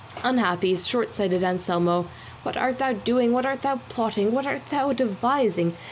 Unhappy, shortsighted Anselmo, what art thou doing, what art thou plotting, what art thou devising?